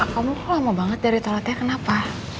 kamu lama banget dari toiletnya kenapa